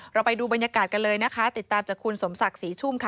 ไปดูบรรยากาศกันเลยนะคะติดตามจากคุณสมศักดิ์ศรีชุ่มค่ะ